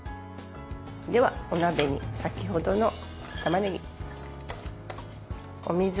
では、お鍋に先ほどのたまねぎお水、２カップ。